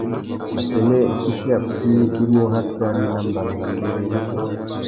Assênē itifiya puï i mú ratiari nà mbanu râ mbérénô.